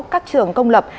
các trường công lập